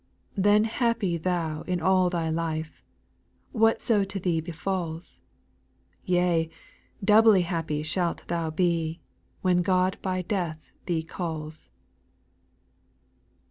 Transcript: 7. Then happy thou in all thy life, Whatso to thee befalls ; Yea 1 doubly happy shalt thou be, When God by death thee calls.